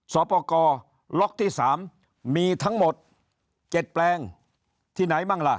สอบประกอบล็อกที่๓มีทั้งหมด๗แปลงที่ไหนบ้างล่ะ